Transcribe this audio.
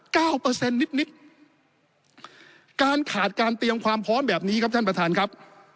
เปอร์เซ็นต์นิดนิดการขาดการเตรียมความพร้อมแบบนี้ครับท่านประธานครับ